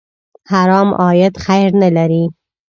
حرام عاید خیر نه لري.